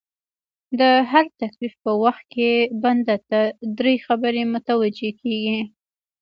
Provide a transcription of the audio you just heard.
د هر تکليف په وخت کي بنده ته دری خبري متوجې کيږي